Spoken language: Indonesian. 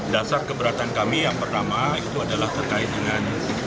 dasar keberatan kami yang pertama itu adalah terkait dengan